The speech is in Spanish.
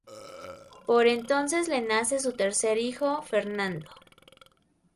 Por entonces le nace su tercer hijo, Fernando.